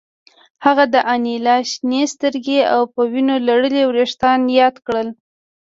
هغه د انیلا شنې سترګې او په وینو لړلي ویښتان یاد کړل